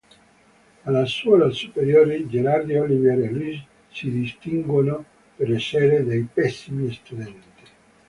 Alla suola superiore, Gérard, Olivier e Louis si distinguono per essere dei pessimi studenti.